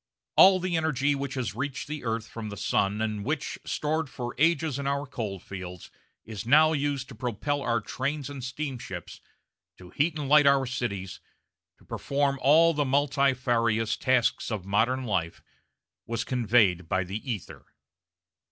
All the energy which has reached the earth from the sun and which, stored for ages in our coal fields, is now used to propel our trains and steamships, to heat and light our cities, to perform all the multifarious tasks of modern life, was conveyed by the ether.